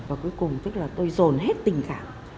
và cuối cùng tức là tôi dồn hết tình cảm